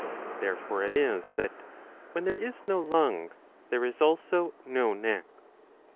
Therefore it is that, when there is no lung, there is also no neck.